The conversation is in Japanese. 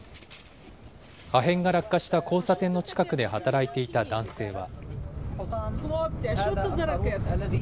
破片が落下した交差点の近くで働いていた男性は。